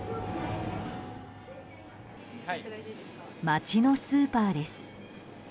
街のスーパーです。